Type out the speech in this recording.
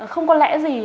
không có lẽ gì